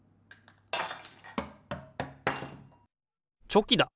チョキだ！